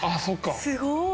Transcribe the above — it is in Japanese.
すごーい！